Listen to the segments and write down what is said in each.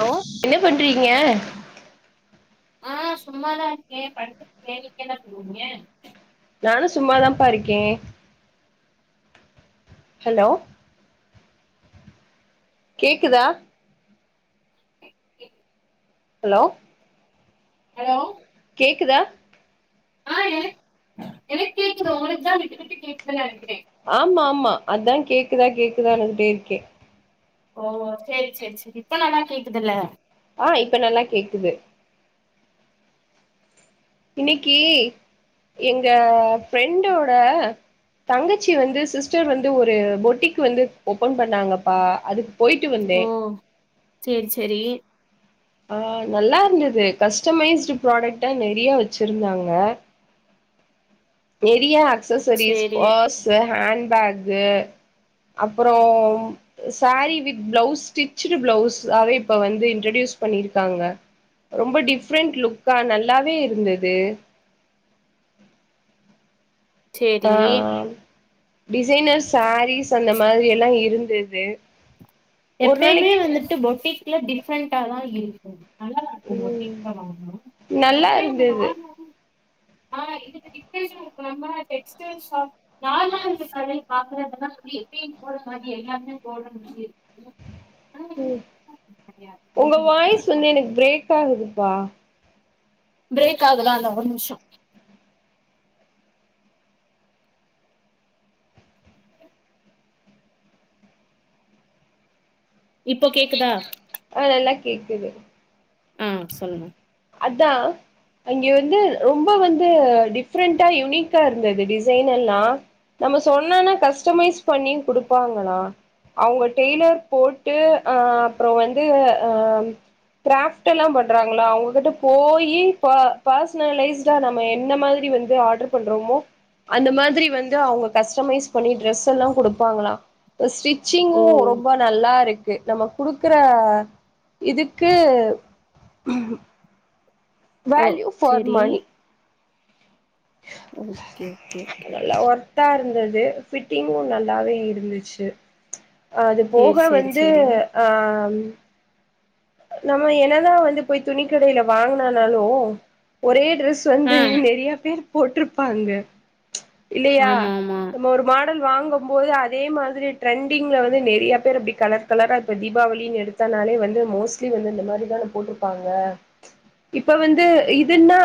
Hello என்ன பண்றீங்க ஆஹ் சும்மாதான் இருக்கேன் படுத்துருக்கேன் நீங்க என்ன பண்றீங்க நானும் சும்மாதான் பாருக்கேன் ஹலோ கேக்குதா ஹலோ ஹலோ கேக்குதா ஆஹ்எனக் எனக்கு கேக்குது உங்களுக்குதான் விட்டு விட்டு கேக்குதின்னு நெ ஆமா ஆமா அதான் கேக்குதா கேக்குதாந்துட்டே இருக்கேன் ஓ சேரி சேரி சேரி இப்ப நல்லா கேக்குதுல்ல ஆஹ் இப்ப நல்லா கேக்குது இன்னைக்கு எங்க பிரெண்டோட தங்கச்சி வந்து சிஸ்டர் வந்து ஒரு பொட்டிக்கு வந்து ஓப்பன் பண்ணாங்கப்பா அது ஓ சேரி சேரி ஆஹ் நல்லா இருந்தது கஸ்டமைஸ்டு ப்ராடக்ட்கா நிறைய வச்சிருந்தாங்க நிறைய அக்ஸசரிஸ் சேரி பார்ஸ் ஹண்ட் பேக் க்கு அப்பற sari with blouse stitched blouse அத இப்ப வந்து இன்ட்ரடியூஸ் பண்ணிருக்காங்க ரொம்ப டிஃப்ரெண்ட் லுக்கா நல்லாவே இருந்தது சேரி ஆஹ் டிசைனர்ஸ் சாரீஸ் அந்த மாரி எல்லாம் இருந்தது ஒரு எப்பயுமே நாளைக்கு வந்துட்டு பொட்டிக் லா டிஃப்ரெண்டா தான் இருக்கும் நல்லா இருக்கும் பொட்டிக் ம் வாங்கும் நல்லா அதுவே அந்த இருந்தது நார்மல் ஆஹ் இதுக்கு டிஷன் இருக்கு நம்ம டெக்ஸ்டைல் ஷாப் நான் நான் இந்த கடை பாக்குறப்பல்லாம் சொல்லி [unintelligible] எல்லாமே [unintelligible] உம் உம் உங்க வாய்ஸ் வந்து எனக்கு பிரேக் ஆகுதுப்பா பிரேக் ஆகுதா இந்த ஒரு நிமிஷம் இப்போ கேக்குதா ஆ நல்லா கேக்குது ஆஹ் சொல்லுங்க அதான் அங்க வந்து ரொம்ப வந்து டிஃப்ரெண்டா யுனிக்கா இருந்தது டிசைன் எல்லா நம்ம சொன்னனா கஸ்டமைஸ் பண்ணி கொடுப்பாங்களாம் அவங்க டெய்லர் போட்டு ஆஹ் அப்புறம் வந்து ஆஹ் கிராஃப்ட் எல்லா பண்றாங்களாம் அவங்க கிட்ட போயி பா பார்ஷ்னலைஷ்டா நம்ம என்ன மாரி வந்து ஆர்டர் பண்றோமோ அந்த மாதிரி வந்து அவுங்க கஷ்டமைஸ் பண்ணி டிரஸ் எல்லா கொடுப்பாங்களாம் ஸ்ட்ரி ஓ ச்சிங்கும் ரொம்ப நல்லாருக்கு நம்ம குடுக்குற இதுக்கு ஓ வேல்யூ ஃபார் செரி மணி ஓகே ஓகே ஓகே நல்லா ஓகே ஒர்த்தா இருந்தது ஃபிட்டிங்கும் நல்லாவே இருந்திச்சு அது போக சேரி சேரி வந்து சேரி ஆஹ் [unintelligible] நம்ம என்னதான் வந்து போய் துணிக்கடையில வாங்கினானாலும் ஒரே ட்ரெஸ் வந்து ஆ நிறைய பேர் போட்டிருப்பாங்க இல்லையா ஆமா ஆமா நம ஒரு மா டல் வாங்கும் போது அதே மாதிரி டிரரெண்டிங்ல வந்து நிறைய பேர் இப்டி கலர் கலரா இப்ப தீபாவளின்னு எடுத்தாலே வந்து மோஸ்ட் வந்து இந்த மாதிரி தான போட்டிருப்பாங்க இப்ப வந்து இதுன்னா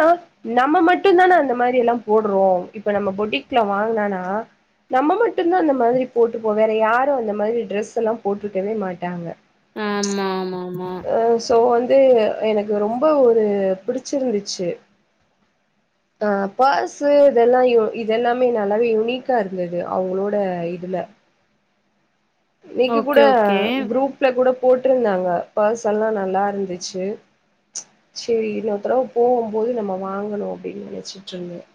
நம்ம மட்டும் தான அந்த மாதிரி எல்லாம் போடுறோம் இப்ப நம்ம பொட்டிக்ல வாங்கினனா நம்ம மட்டும் தான் அந்த மாதிரி போட்டுப்போம் வேற யாரும் அந்த மாதிரி டரெஸ் எல்லா போட்டுக்கவே மாட்டாங்க ஆமா ஆமா அஹ சோ வந் இ எனக்கு ரொம்ப ஒரு பிடிச்சிருந்துச்சு ஆஹா காசு இது இதெல்லாமே நல்லாவே யுனிக்கா இருந்தது அவங்களோட இதுல இன்னைக்கு கூட ஓகே ஓகே குரூப்ல கூட போட்டிருந்தாங்க பர்ஸ் எல்லா நல்லா இருந்துச்சு சரி இன்னொரு தடவை போகும்போது நம்ம வாங்கணும் அப்டின்னு நினைச்சுட்டு இருந்தேன்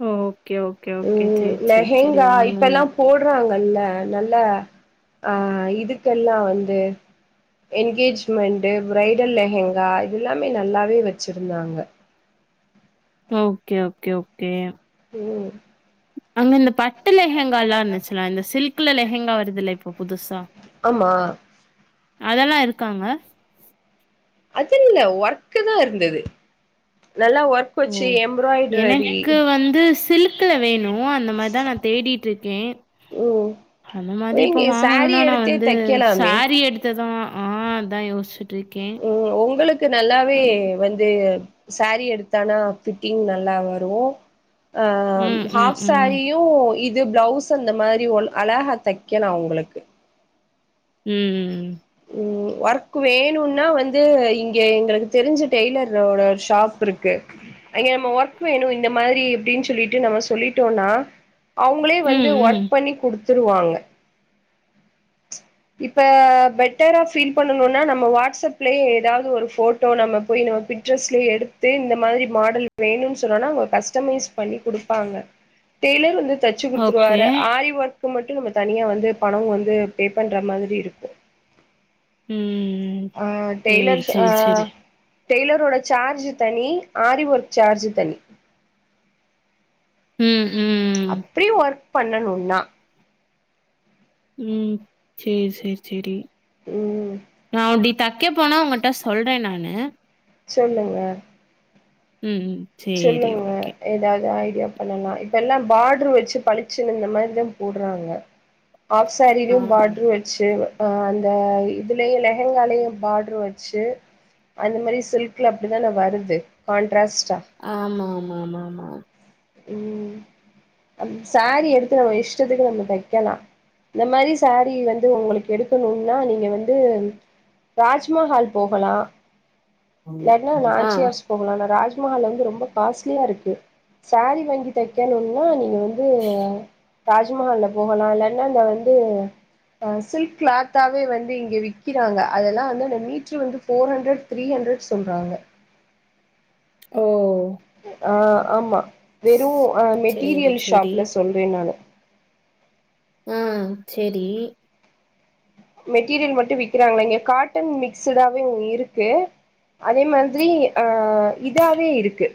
ஹம் கே ஓகே ஓகே சரி சரி சரி வாங்குங்க நல்ல நல்ல ஆஹ் இதுக்கெல்லாம் வந்து எனங்கேஜ்மெண்ட் பிரரைடல் லெகங்கா இது எல்லாமே நல்லாவே வச்சிருந்தாங்க ஓகே ஓகே ஓகே உம் அங்க இந்த பட்டு லெகங்கா எல்லா இருந்துச்சுலா இந்த சில்க்குல லெகங்கா வருதுல்ல இப்போ புதுசா ஆமா அதெல்லாம் இருக்காங்க அது இல்ல ஒர்க்கு தான் இருந்தது நல்லா ஒர்க் ஒ வச்சு எம்ப்ராய்டரி எனக்கு வந்து சில்க்ல வேணும் அந்த மாரிதான் நான் தேடிட்டு இருக்கேன் ம் அந்த மாரி நீங்க இப்ப சாரீ வாங்கணும்னா நான் எடுத்தே வந்து தைக்கலாமே சாரி எடுத்ததான் ஆஹ் அதான் யோச்சிட் உம் உங்களுக்கு நல்லாவே வந்து சாரீ எடுத்தானா ஃபிட்டிங் நல்லா வரும் ம் ம் ஆஹாம் ம் சாரியும் இ இது பிளவுஸ் அந்த மாரி ஒ அழகா தைக்கலாம் உங்களுக்கு உம் உம் ஒர்க் வேணும்னா வந்து இங்க எங்களுக்கு தெரிஞ்ச டெய்லரோட ஷாப் இருக்கு இங்க நம்ம ஒர்க் வேணும் இந்த மாரி அப்படின்னு சொல்லிட்டு நம்ம சொல்லிட்டோம்னா அவங்களே ம் வந்து ம் ஒர்க் பண்ணி குடுத்து த்துருவாங்க இப்ப பெட்டரா ஃபீல் பண்ணணும்னா நம்ம வாட்ஸ்அப்லயே ஏதாவது ஒரு போட்டோ நம்ம போய் நம பிக்சர்ஸ்லையே எடுத்து இந்த மாரி மாடல் வேணும்னு சொன்னோம்னா அவங்க கஸ்டமைஸ் பண்ணி குடுப்பாங்க டெய்லர் வந்து தச்சு ஓகே குடுத்துருவாரு ஆரி ஒர்க் இப்ப மட்டும் நம்ம தனியா வந்து பணம் வந்து பண்ற மாதிரி இருக்கோம் ம் அ சேரி டெய்லர்ஸ் அ சேரி சேரி டெய்லரோட சார்ஜ் தனி ஆரி ஒர்க் சார்ஜ் தனி ம் ம் அப்டி ஒர்க் பண்ணணுனா ம் சேரி சேரி சேரி ம் நான் அப்படி தைக்க போனா உங்கிட்ட சொல்றேன் நானு சொல்லுங்க ம் உம் சொல்லுங்க ஏதாவது ஆய் யா பண்ணலாம் இப்ப எல்லா பாடர் வச்சு பளிச்சன்னு இந்த மாதிரிதா போடறாங்க ஆஃப் ஆ. சாரிலயோ பார்டரு வெச்சு இப்பஅந்த இதுலயும் லெஹங்காலயும் பார்ட்ரு வச்சு அந்த மாதிரி சில்க்கல அப்படிதான நான் வருது கான்ட்ராஸ்ட்டா ஆமா ஆமா ஆமா ஆமா உம் சாரி எடுத்து நம்ம இஷ்டத்துக்கு நம்ம தெக்கலாம் இந்த மாதிரி சாரீ வந்து உங்களுக்கு எடுக்கணும்னா நீங்க வந்து ராஜ்மஹால் போகலாம் லக்னா ஆமா ஆ நாச்சியார்ஸ் போகலா நா ராஜ் துமல வந்து ரொம்ப காஸ்ட்லியா இருக்கு சாரீ வங்கி தைக்கணுன்னா நீ இது வந்து ராஜ்மஹால்ல போகலா இல்லானா அந்த வந்து அஹ் சில்க் கிளாத்தாவே வந்து இங்க விக்கிறாங்க அதெல்லா வந்து அந்த மீட்ரு வந்து ஃபோர் ஹண்டரட் த்ரீ ஹண்டரட் சொல்றாங்க ஓ ஆ ஆமா வெறு அஹ சேரி மெட்டீரியல் சேரி ஷாப்ல சொல்ற நானு. ஆ [inaudible] மெட்டீரியல் மட்டு விக்கிறாங்கள இங்க காட்டன் மிக்ஸடாவேயிருக்கு அதே மாதிரி அஹ இதாவேயிருக்கு.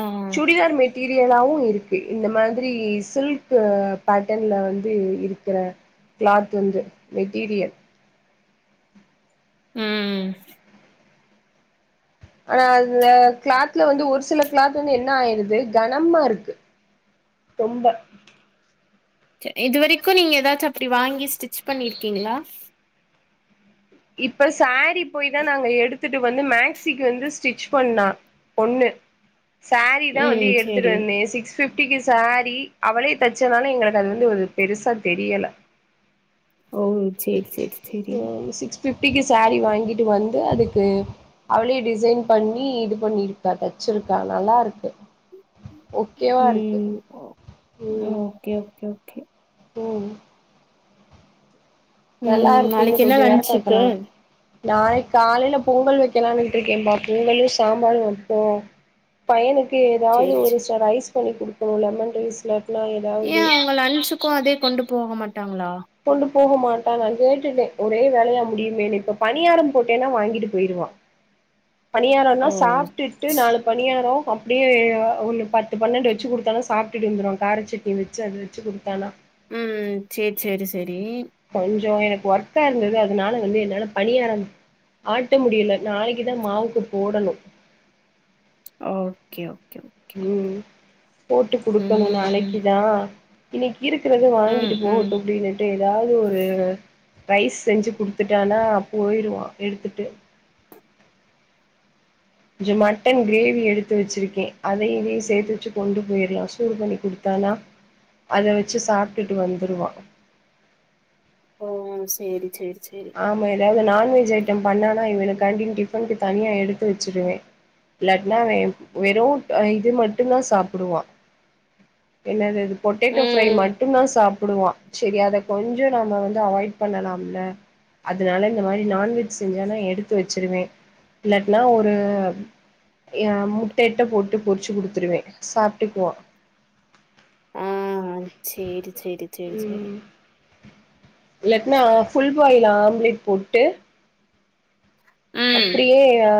ஆ சூடிதார் மெட். மெட்டீரியலாவு இருக்கு இந்த மாதிரி சில்க் பேட்டன்ல வந்து இருக்குற கிளாத் வந்து மெட்டீரியல். உம். ஆனா அந்த கிளாத்ல வந்து ஒரு சில கிளாத் வந்து என்ன ஆயிடுது கனமாருக்கு ரொம்ப. து இதுவரிக்கு நீங்க எதாச்சு அப்டி வாங்கி. ஸ்டிச் பண்ணிருக்கீங்களா. இப்ப ஸ்சேரி. போய் தா நாங்க எடுத்துட்டு வந்து மேக்சிக்கு வந்து ஸ்டிச். பண்ணா பொண்ணு. சாரீதா வந்து ம் எடுத்துட்டு சேரி வந்த சிக்ஸ் பிப். குட்டிக்கு சேரீ அவளே தெச்சனால எங்களுக்கு அது வந்து ஒரு பெருசா தெரியல. ஓ சேரி சேரி சேரி. பிப்டிக்கு சாரீ வாங்கிட்டு வந்து அதுக்கு அவ்ளே டிசைன் பண்ணி இது பண்ணிருக்கா தச்சிருக்கா நல்லாருக்கு. ஓகேவாருக்கு ம் உம். ஓகே ஓகே ஓகே உம். உம் இருக்கு இன்னு நாளைக்கு என்ன கொஞ்ச நேரத்துல லன்ச்சுக்கு. வைக்கலா நாளைக்கு காலையில பொங்கல் வைக்கலாம்னுட்டு இருக்கேன்ம்பா பொங்கலு சாம்பார் மட்டும் பையனுக். கு ஏதாவது சேரி ஒரு சேரி சோ ரைஸ். பண்ணி குடுத்துடலானு லெமன்ரைஸ்ல. ஏ அவங்க லன்சுக்கு அதே கொண்டு போக மாட். டாங்களா. கொண்டு போக மாட்டாங்க நா கேட்டுட்ட ஒரே வேலையா முடியுமேனு இப்ப பணியாரம் போட்டேன்னா வாங்கிட்டு போயிடுவா. பணியாரம்னா ஓ சாப்டுட்டு ஸ்- நாலு பணியாரோ. அப்படியே ஒன்னு பத்து பன்னெண்டு வச்சு குடுத்தாலு சாப்பிட்டுட்டு வந்துடு காரச்சட்னி வச்சு அத வச்சு குடுத்தானா. உம்ம் சேரி சேரி சேரி. கொஞ்சோ எனக்கு ஒர்க்கா இருந்தது அதனால வந்து என்னால பணியாரம் ஆட்ட முடியல நாளைக்குதா மாவுக்கு போடணு. ஓகே ஓ. உம் போட்டு குடுக்கணு ம் நாளைக்குதா. இன்னிக்கு. இருக்குறத ம் வாங்கிட்டு ம் போகட்டு அப்டின்னுட்டு எதாவது ஒரு. ரைஸ் செஞ்சு குடுத்துட்டானா போயிருவா எடுத்துட்டு. கொஞ்சோ மட்டன் கிரேவி எடுத்து வெச்சிருக்கே அதை இதையு சேத்து வெச்சு கொண்டு போயிரலா சூடு பண்ணி குடுத்தனா அத வெச்சு சாப்டுட்டு வந்துடுவா. ஓ சேரி சேரி. சேரி ஆமா தாவ்து நான்வெஜ் ஐட்டம் பண்ணானா இவனுக்கான்டி டிஃபனுக்கு தனியா எடுத்து வச்சுடுவே இல்லாட்னா அவெ வெறு இது மட்டுந்தா சாப்புடுவா என்னதது பொட்டேட்டோ ஃப்ரை ம் மட்டுந்தா சாப் புடுவான் சேரி அத கொஞ்சோ நம்ம வந்து அவாய்ட் பண்ணலாம்ல அதுனால இந்த மாதிரி நான்வெஜ் செஞ்சா நா எடுத்து வச்சுருவே இல்லாட்னா ஒரு அ முட்ட இட்ட போட்டு பொறிச்சு குடுத்துருவே சாப்டுக்குவா ஆ சேரி சேரி சேரி சேரி இல்லாட்ணா ஃபுல் பாயில் ஆம்லேட் போட்டு ம் அப்டியே அ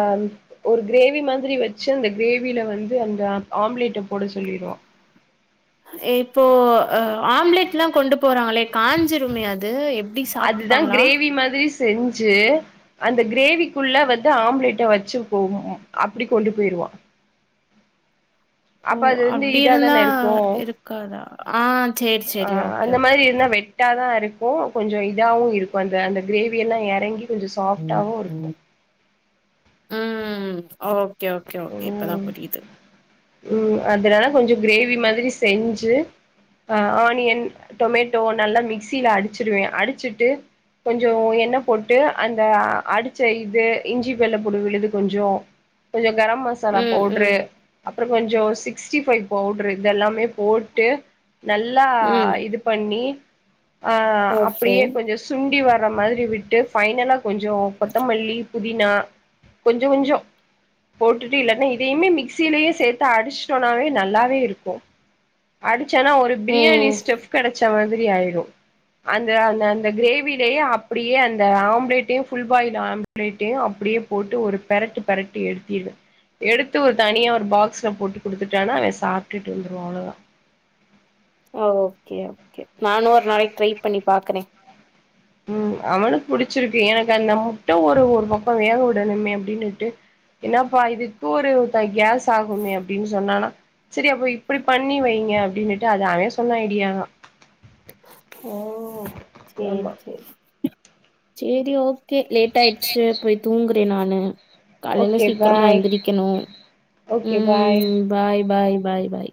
ஒரு கிரேவி மாதிரி வெச்சு அந்த கிரேவில வந்து அந்த ஆம்லேட்ட போட சொல்லிருவா எப் போ அ ஆம்லெட்லா கொண்டு போறாங்களே காஞ்சுருமே அது எப்டி அதுதா சாப்டுப்பாங்களா கிரேவி மாதிரி செஞ்சு அந்த கிரேவிக்குள்ள வந்து ஆம்லேட்ட வச்சு போ ம் அப்டி கொண்டு போயிருவா ஓ அப்ப அது வந்து இதா அப்டியிருந்தா தான இருக்கு இருக்காதா ஆ சேரி சேரி ஓகே ஓகே ஓகே கு கொஞ்ச இதாவு இருக்கூ அந்த அந்த கிரேவியல்லா எறங்கி கொஞ்ச ம் சாஃப்டாவு இருக்கு ஓ கே ஓகே ஓகே இப்பதா புரியிது உம் அதுனால கொஞ்ச கிரேவி மாதிரி செஞ்சு ஆ ஆனியன் டொமேட்டோ நல்லா மிக்சில அடிச்சிருவே அடிச்சுட்டு கொஞ்சொ எண்ணெ போட்டு அந்த அடிச்ச இது இஞ்சி வெள்ளப்பூடு விழுது கொஞ்சொ கொஞ்ச கரம் மசாலா ம் பவுட்ரு ம் அப்புற கொஞ்ச சிக்ஸ்டி ஃபைவ் பவுடரு இது எல்லாமே போட்டு நல்லா ம் இது பண்ணி ஆ ஓகே அப்டியே கொஞ்சொ சுண்டி வ ர மாதிரி விட்டு ஃபைனலா கொஞ்சொ கொத்தமல்லி புதினா கொஞ்ச கொஞ்சொ போட்டுட்டு இல்லாட்னா இதையுமே மிக்ஸ் சீலயே சேத்து அடிச்ட்டோனாவே நல்லாவே இருக்கு அடி ச்சனா ஒரு பிரியாணி ம் ஸ்டெஃப் கெடச்ச மாதி ரி ஆயிரு அந்த அந்த அந்த கிரேவிலேயே அப்டியே அந்த ஆம்ப்ளேட்டையு ஃபுல் பாயில் ஆம்ப்ளேட்டையு அப்டியே போட்டு ஒரு பெரட்டு பெரட்டி எடுத்திரு எடுத்து ஒரு தனியா ஒரு பாக்ஸ்ல போட்டு குடுத்துட்டானா அவெ சாப்டுட்டு வந்துருவா அவ்ளதா ஓகே ஓகே நானு ஒரு நாளைக் ட்ரை பண்ணி பாக்குறே உம் அவனுக் புடிச்சிருக்கு எனக்கு அந்த முட்ட ஒரு ஒரு பக்க வேக விடணுமே அப்டின்னுட்டு என்னாப்பா இதுக்கு ஒரு ப கேஸ் ஆகுமே அப்டின் சொன்னானா செரி அப்ப இப்டி பண்ணி வைங்க அப்டின்னுட்டு அது அவெ சொன்ன ஐடியா தா [inaudible] ஓ சேரி ஆமா சேரி சேரி ஓ கே லேட் ஆயிச்சு போய் தூங்கு ட்டே நானு காலையில ஓகே சீக்கிரமா பாய் எந்திரக்கணு ஓகே உம் பாய் பாய் பாய் பாய் பாய்